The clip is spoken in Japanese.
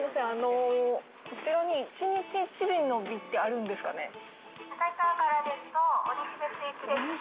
あのこちらに１日１便の便ってあるんですかね。